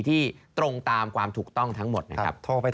ตรงตามความถูกต้องทั้งหมดนะครับ